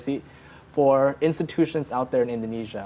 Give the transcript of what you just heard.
jika ada institusi di indonesia